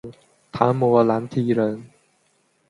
昙摩难提人。